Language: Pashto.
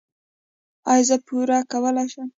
ایا زه پور کولی شم؟